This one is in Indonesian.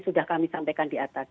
sudah kami sampaikan di atas